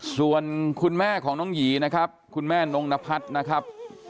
ส่วนคุณแม่ของน้องหยีนะครับคุณแม่นงนพัฒน์นะครับ